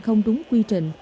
không đúng quy trình